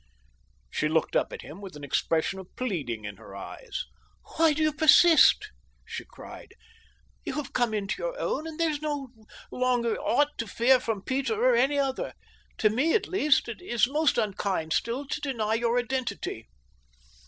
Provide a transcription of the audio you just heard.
She looked up at him with an expression of pleading in her eyes. "Why do you persist?" she cried. "You have come into your own, and there is no longer aught to fear from Peter or any other. To me at least, it is most unkind still to deny your identity."